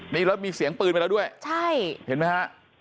นี่แล้วมีเสียงปืนไปแล้วด้วยใช่เห็นไหมฮะ